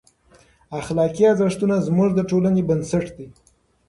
اخلاقي ارزښتونه زموږ د ټولنې بنسټ دی.